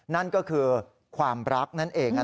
นั่นก็คือความรักนั่นเอง